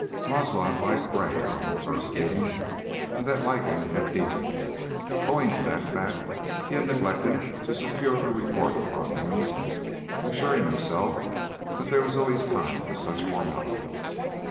Roswell had liked Gray upon their first meeting, and that liking had deepened. Owing to that fact, he had neglected to secure a report upon him, assuring himself that there was always time for such formalities.